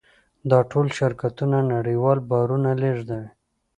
دا ټول شرکتونه نړیوال بارونه لېږدوي.